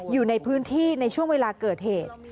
อยู่ในพื้นที่ในช่วงเวลาเกิดเหตุ